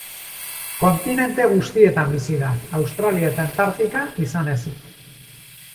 Kontinente guztietan bizi da, Australia eta Antartika izan ezik.